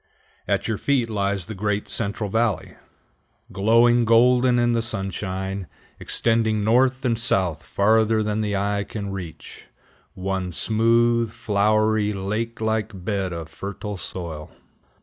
At your feet lies the great Central Valley glowing golden in the sunshine, extending north and south farther than the eye can reach, one smooth, flowery, lake like bed of fertile soil.